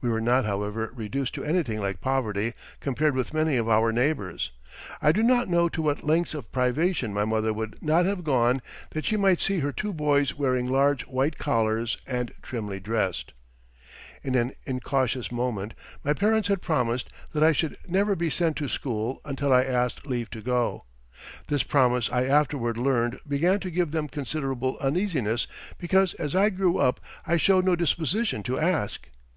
We were not, however, reduced to anything like poverty compared with many of our neighbors. I do not know to what lengths of privation my mother would not have gone that she might see her two boys wearing large white collars, and trimly dressed. In an incautious moment my parents had promised that I should never be sent to school until I asked leave to go. This promise I afterward learned began to give them considerable uneasiness because as I grew up I showed no disposition to ask.